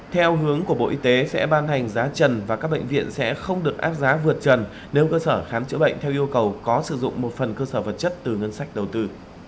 theo hướng của bộ y tế sẽ ban hành giá trần và các bệnh viện sẽ không được áp giá vượt trần nếu cơ sở khám chữa bệnh theo yêu cầu có sử dụng một phần cơ sở vật chất từ ngân sách đầu tư